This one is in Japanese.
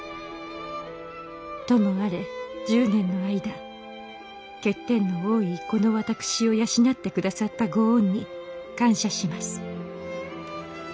ともあれ１０年の間欠点の多いこの私を養って下さったご恩に感謝します」。